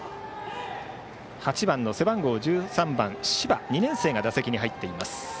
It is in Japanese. ８番の背番号１３番柴、２年生が打席に入っています。